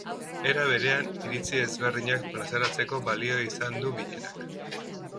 Era berean, iritzi ezberdinak plazaratzeko balio izan du bilerak.